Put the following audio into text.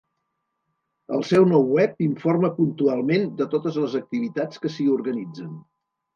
El seu nou web informa puntualment de totes les activitats que s'hi organitzen.